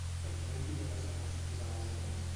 I a quina entitat es van exposar les obres?